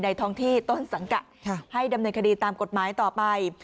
ท้องที่ต้นสังกัดให้ดำเนินคดีตามกฎหมายต่อไป